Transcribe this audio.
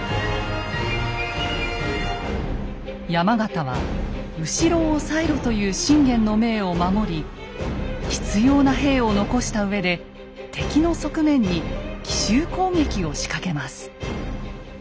山県は「後ろを抑えろ」という信玄の命を守り必要な兵を残したうえで敵の側面に奇襲攻撃を仕掛けます。